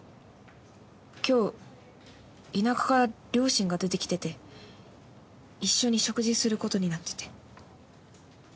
今日田舎から両親が出てきてて一緒に食事することになってて。